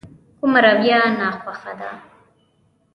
کومه رويه ناخوښه ده.